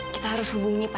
kita harus hubungi pak rituan